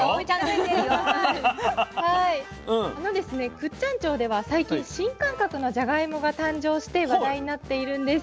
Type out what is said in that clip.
倶知安町では最近新感覚のじゃがいもが誕生して話題になっているんです。